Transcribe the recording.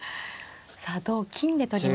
さあ同金で取りました。